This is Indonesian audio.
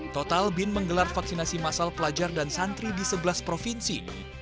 total bin menggelar vaksinasi masal pelajar dan santri di sebelas provinsi